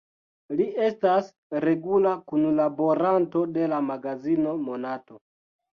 Li estas regula kunlaboranto de la magazino "Monato".